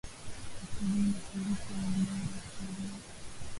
Kaskazini Mashariki ya Wilaya ya Tarime